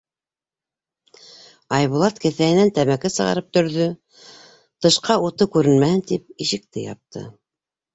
Айбулат кеҫәһенән тәмәке сығарып төрҙө, тышҡа уты күренмәһен тип, ишекте япты.